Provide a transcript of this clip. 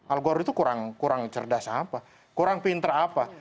al gore itu kurang cerdas apa kurang pintar apa